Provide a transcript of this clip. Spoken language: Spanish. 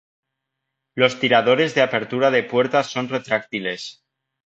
Los tiradores de apertura de puerta son retráctiles.